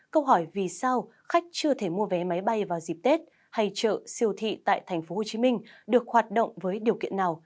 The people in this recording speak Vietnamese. câu hỏi vì sao khách chưa thể mua vé máy bay vào dịp tết hay chợ siêu thị tại tp hcm được hoạt động với điều kiện nào